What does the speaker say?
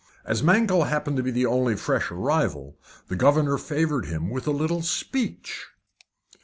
As Mankell happened to be the only fresh arrival, the governor favoured him with a little speech.